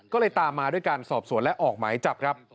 ก็เลยตามมาด้วยการสอบสวนและออกหมายจับครับ